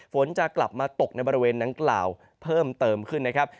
ฝนจะกลับมาตกในบริเวณดังกล่าวเพิ่มเติมขึ้นนะครับ